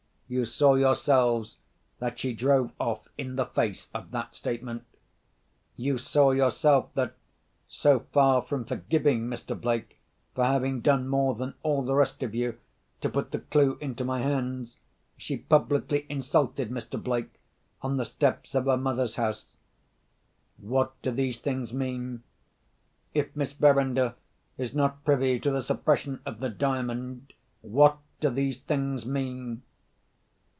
You saw yourselves that she drove off in the face of that statement. You saw yourself that, so far from forgiving Mr. Blake for having done more than all the rest of you to put the clue into my hands, she publicly insulted Mr. Blake, on the steps of her mother's house. What do these things mean? If Miss Verinder is not privy to the suppression of the Diamond, what do these things mean?"